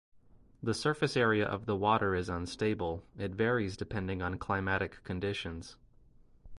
The surface area of the water is unstable, it varies depending on climatic conditions.